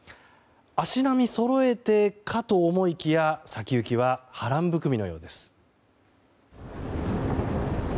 足並みそろえてかと思いきや先行きは波乱含みのようです。